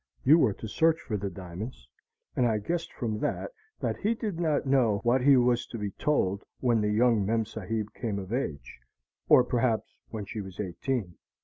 You were to search for the diamonds, and I guessed from that that he did not know what he was to be told when the young memsahib came of age, or perhaps when she was eighteen.